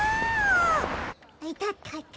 いたたたた。